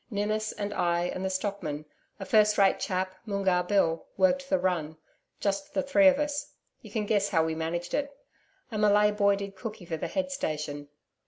Ninnis and I and the stockman a first rate chap, Moongarr Bill worked the run just the three of us. You can guess how we managed it. A Malay boy did cooky for the head station.